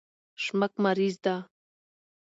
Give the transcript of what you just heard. شمک مریض ده